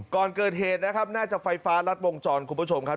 ก่อนเกิดเหตุนะครับน่าจะไฟฟ้ารัดวงจรคุณผู้ชมครับ